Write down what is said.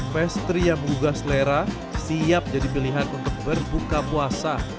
pastry yang menggugah selera siap jadi pilihan untuk berbuka puasa